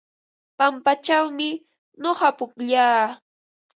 Pampachawmi nuqa pukllaa.